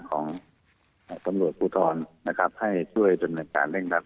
ของตรวจพุทธรณ์ให้ช่วยการเร่งรับ